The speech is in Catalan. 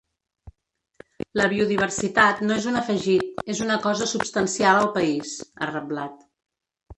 “La biodiversitat no és un afegit, és una cosa substancial al país”, ha reblat.